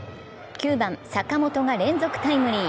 ９番・坂本が連続タイムリー。